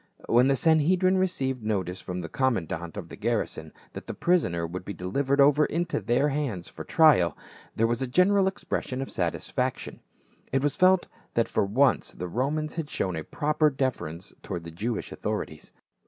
When the Sanhedrim received notice from the commandant of the garrison that the prisoner would be delivered over into their hands for trial, there was a general expression of satisfaction. It was felt that for once the Romans had shown a proper deference toward the Jewish authorities.